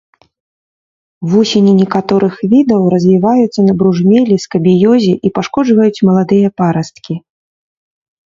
Вусені некаторых відаў развіваюцца на бружмелі, скабіёзе і пашкоджваюць маладыя парасткі.